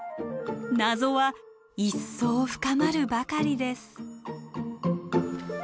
謎は一層深まるばかりです。